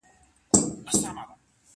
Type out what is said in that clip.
زیاته ډوډۍ به ماڼۍ ته یوړل سي.